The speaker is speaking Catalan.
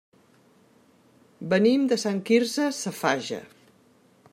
Venim de Sant Quirze Safaja.